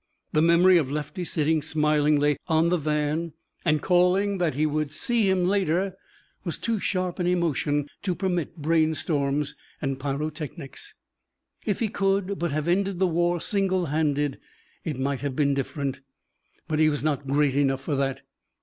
The memory of Lefty sitting smilingly on the van and calling that he would see him later was too sharp an emotion to permit brain storms and pyrotechnics. If he could but have ended the war single handed, it might have been different. But he was not great enough for that.